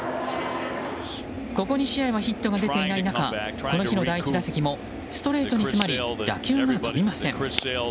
ここ２試合はヒットが出ていない中この日の第１打席もストレートに詰まり打球が飛びません。